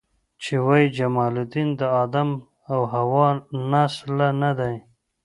چې وایي جمال الدین د آدم او حوا له نسله نه دی.